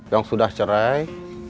yang sudah cerai